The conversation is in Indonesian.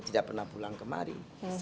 tidak pernah pulang kemari